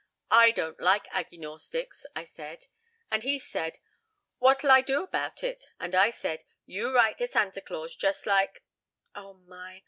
'I don't like aggynorstics,' I said, and he said 'what'll I do about it?' And I said, 'you write to Santa Claus just like' Oh, my!